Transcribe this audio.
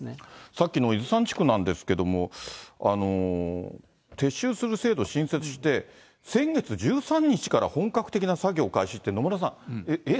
さっきの伊豆山地区なんですけれども、撤収する制度新設して、先月１３日から本格的な作業開始って、野村さん、え？